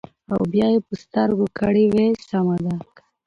او بيا يې پۀ سترګو کړې وې سمه ده ـ